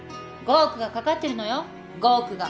５億がかかってるのよ５億が。